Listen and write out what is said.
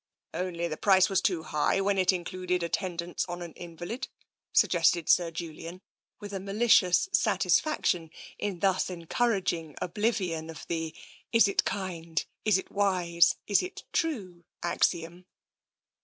'*" Only the price was too high when it included at tendance on an invalid?" suggested Sir Julian, with a malicious satisfaction in thus encouraging oblivion of the, " Is it kind, is it wise, is it true? " axiom.